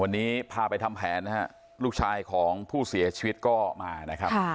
วันนี้พาไปทำแผนนะฮะลูกชายของผู้เสียชีวิตก็มานะครับ